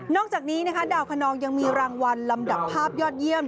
จากนี้นะคะดาวคนนองยังมีรางวัลลำดับภาพยอดเยี่ยม